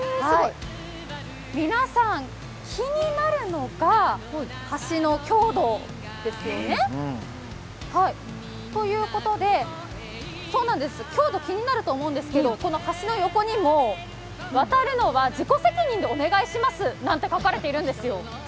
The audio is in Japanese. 皆さん、気になるのが橋の強度ですよね。ということで、強度気になると思うんですけどこの橋の横にも渡るのは自己責任でお願いしますって書かれてるんです。